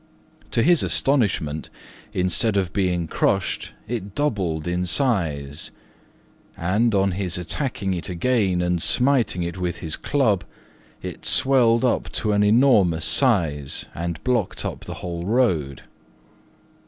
To his astonishment, instead of being crushed it doubled in size; and, on his attacking it again and smiting it with his club, it swelled up to an enormous size and blocked up the whole road.